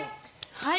はい！